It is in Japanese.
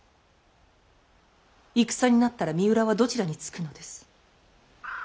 戦になったら三浦はどちらにつくのです。